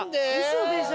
嘘でしょ？